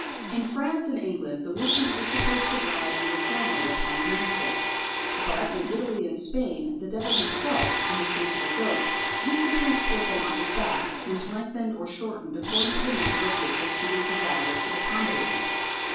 In France and England the witches were supposed to ride uniformly upon broomsticks; but in Italy and Spain, the devil himself, in the shape of a goat, used to transport them on his back, which lengthened or shortened according to the number of witches he was desirous of accommodating.